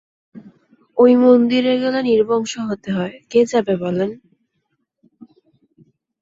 ঐ মন্দিরে গেলে নির্বংশ হতে হয়, কে যাবে বলেন?